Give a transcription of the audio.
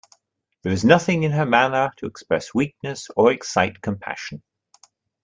There is nothing in her manner to express weakness or excite compassion.